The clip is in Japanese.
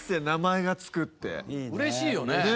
名前が付くって。嬉しいよね。